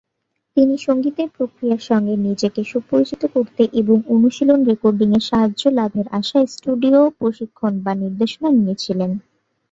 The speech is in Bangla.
তিনি সঙ্গীতের প্রক্রিয়ার সঙ্গে নিজেকে সুপরিচিত করতে এবং অনুশীলন রেকর্ডিং এর সাহায্য লাভের আশায়, স্টুডিও প্রশিক্ষণ বা নির্দেশনা নিয়েছিলেন।